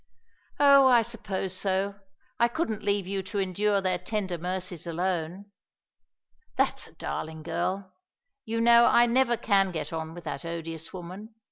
"Oh, I suppose so. I couldn't leave you to endure their tender mercies alone." "That's a darling girl! You know I never can get on with that odious woman.